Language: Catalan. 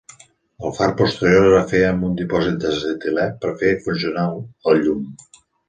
El far posterior es va fer amb un dipòsit d'acetilè per fer funcional el llum.